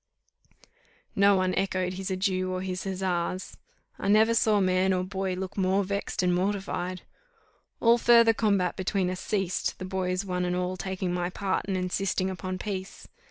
_" No one echoed his adieu or his huzzas. I never saw man or boy look more vexed and mortified. All further combat between us ceased, the boys one and all taking my part and insisting upon peace.